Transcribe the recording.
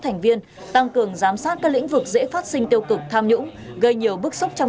thành viên tăng cường giám sát các lĩnh vực dễ phát sinh tiêu cực tham nhũng gây nhiều bức xúc trong